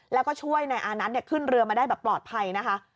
แล้วก็ช่วยนายอานัทขึ้นเรือมาได้แบบปลอดภัยนะคะ